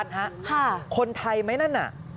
คนไทยไหมนั่นน่ะ